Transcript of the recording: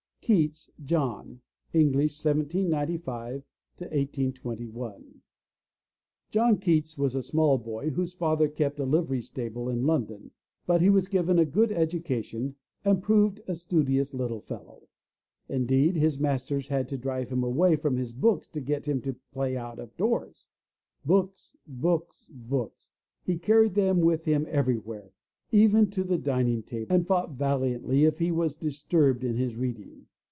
KEATS, JOHN (English, 1795—1821) John Keats was a small boy whose father kept a livery stable in London, but he was given a good education and proved a stud ious little fellow. Indeed, his masters had to drive him away from his books to get him to play out of doors. Books! Books! Books! He carried them with him everywhere, even to the dining table and fought valiantly if he was disturbed in his reading.